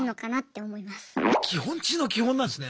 基本中の基本なんですね。